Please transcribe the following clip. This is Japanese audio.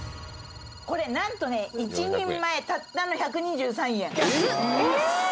これ何とね１人前たったの１２３円。